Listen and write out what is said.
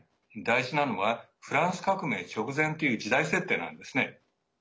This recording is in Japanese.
大事なのはフランス革命直前という時代設定なんですね。